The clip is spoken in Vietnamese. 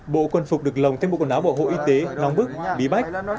bộ quân phục được lồng thêm bộ quần áo bảo hộ y tế nóng bức bí bách